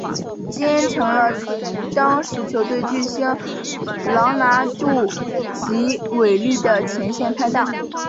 基恩成为了当时球队的巨星朗拿度及韦利的前线拍挡。